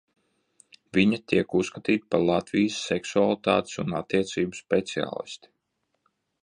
Viņa tiek uzskatīta par Latvijas seksualitātes un attiecību speciālisti.